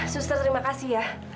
suster terima kasih ya